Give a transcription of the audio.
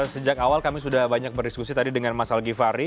sejak awal kami sudah banyak berdiskusi tadi dengan mas al givhary